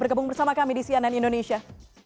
bergabung bersama kami di cnn indonesia